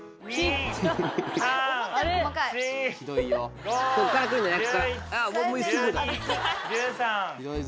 ひどいぞ。